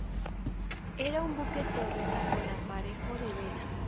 Era un buque torreta con aparejo de velas.